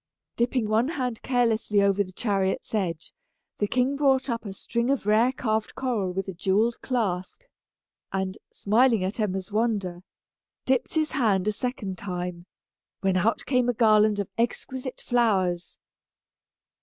Dipping one hand carelessly over the chariot's edge, the king brought up a string of rare carved coral with a jewelled clasp, and, smiling at Emma's wonder, dipped his hand a second time, when out came a garland of exquisite flowers.